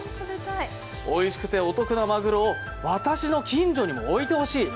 おいしくてお得なマグロを私の近所にも置いてほしい！